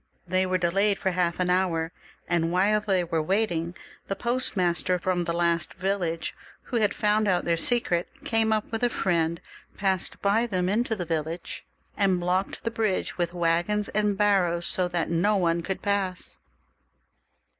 They were delayed for half an hour, and while they were waiting the postmaster fix)m the last village, who had found out their secret, came up with a friend, passed by them into the village, and blocked the bridge with waggons and barrows, so that no one could pass.